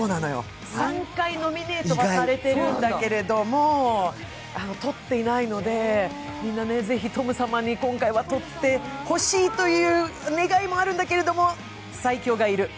３回ノミネートはされてるんだけれども取っていないので、みんな、ぜひトム様に今回はとってほしいという願いがあるんだけれども最強がいる。